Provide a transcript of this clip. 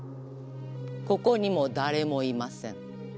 ここにも誰もいません。